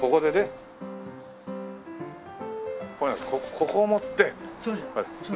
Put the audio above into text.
ここ持って。